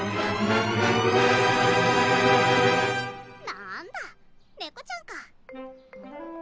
なんだ猫ちゃんか。